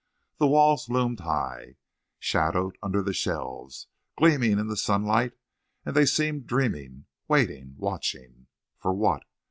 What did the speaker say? The walls loomed high, shadowed under the shelves, gleaming in the sunlight, and they seemed dreaming, waiting, watching. For what?